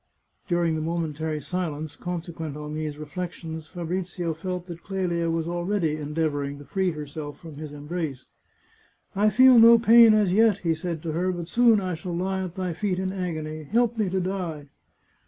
During the momentary silence consequent on these re flections, Fabrizio felt that Clelia was already endeavouring to free herself from his embrace. " I feel no pain as yet," he said to her, " but soon I shall lie at thy feet in agony. Help me to die